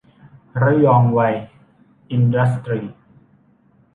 ระยองไวร์ อินดัสตรีส์